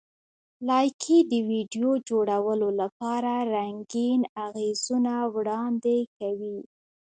لایکي د ویډیو جوړولو لپاره رنګین اغېزونه وړاندې کوي.